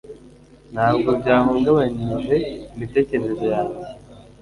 Ntabwo byahungabanije imitekerereze yanjye